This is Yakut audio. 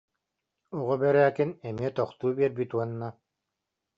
Оҕо Бэрээкин эмиэ тохтуу биэрбит уонна: